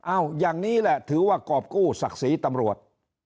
อ้าวอย่างนี้แหละถือว่ากอบกู้ศักดิ์สีตำลวด